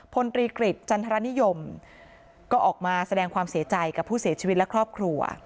พลตรีกฤษจันทรนิยมก็ออกมาแสดงความเสียใจกับผู้เสียชีวิตและครอบครัว